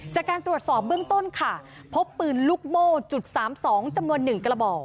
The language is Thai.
จากการตรวจสอบเบื้องต้นค่ะพบปืนลูกโม่จุด๓๒จำนวน๑กระบอก